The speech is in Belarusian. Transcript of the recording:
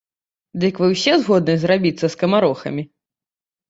Дык вы ўсе згодны зрабіцца скамарохамі?